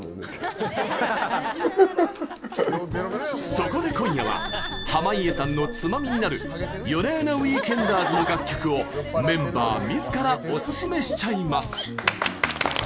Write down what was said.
そこで今夜は濱家さんのツマミになるＹＯＮＡＹＯＮＡＷＥＥＫＥＮＤＥＲＳの楽曲をメンバーみずからおすすめしちゃいます。